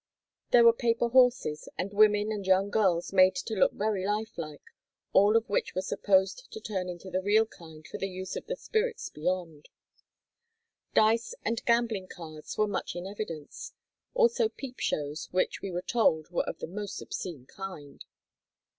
There were paper horses, and women and young girls, made to look very life like, all of which were supposed to turn into the real kind for the use of the spirits beyond. Dice and gambling cards were much in evidence; also peep shows, which we were told were of the most obscene kind.